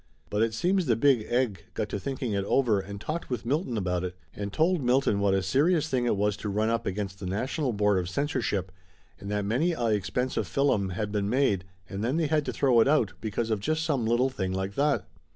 But it seems the Big Egg got to thinking it over and talked with Milton about it, and told Milton what a serious thing it was to run 'up against the National Board of Censorship and that many a expensive fillum had been made and then they had to throw it out be cause of just some little thing like that.